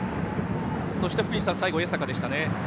そして、福西さん最後は江坂でしたね。